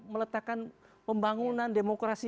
meletakkan pembangunan demokrasi